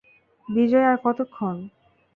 বিজয় আর কতক্ষণ?